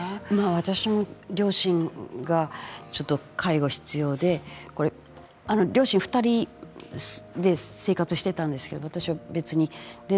私も両親がちょっと介護が必要で両親２人で生活していたんですけど私は別にいて。